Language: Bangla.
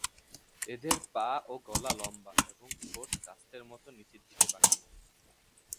এদের পা ও গলা লম্বা এবং ঠোঁট কাস্তের মতো নিচের দিকে বাঁকানো।